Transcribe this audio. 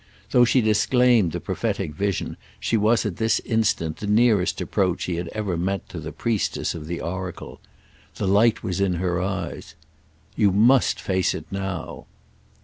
Though she disclaimed the prophetic vision she was at this instant the nearest approach he had ever met to the priestess of the oracle. The light was in her eyes. "You must face it now."